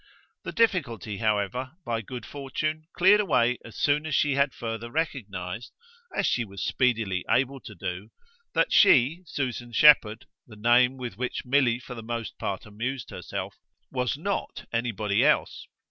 The difficulty, however, by good fortune, cleared away as soon as she had further recognised, as she was speedily able to do, that she Susan Shepherd the name with which Milly for the most part amused herself was NOT anybody else.